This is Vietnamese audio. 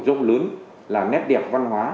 rốt lớn là nét đẹp văn hóa